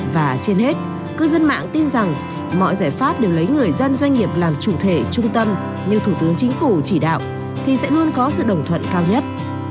và trên hết cư dân mạng tin rằng mọi giải pháp đều lấy người dân doanh nghiệp làm chủ thể trung tâm như thủ tướng chính phủ chỉ đạo thì sẽ luôn có sự đồng thuận cao nhất